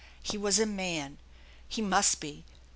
He was a man. He must be.